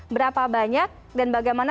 berapa banyak dan bagaimana